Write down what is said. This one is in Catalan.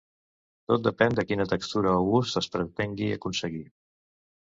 Tot depèn de quina textura o gust es pretengui aconseguir.